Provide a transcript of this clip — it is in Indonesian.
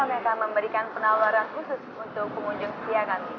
selamat siang para pengunjung setia